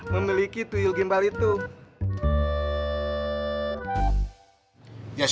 memiliki kemampuan untuk menjaga kemampuan saya